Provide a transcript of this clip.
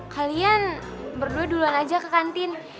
kalian berdua duluan aja ke kantin